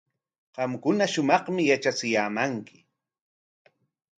Qamkuna shumaqmi yatrachiyaamanki.